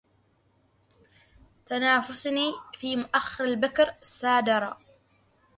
تنافسني في مؤخر البكر سادرا